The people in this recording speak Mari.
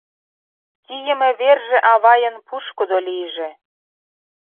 Кийыме верже авайын пушкыдо лийже!